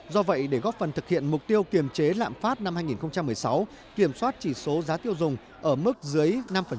do vậy để góp phần thực hiện mục tiêu kiềm chế lạm phát năm hai nghìn một mươi sáu kiểm soát chỉ số giá tiêu dùng ở mức dưới năm